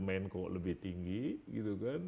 menko lebih tinggi gitu kan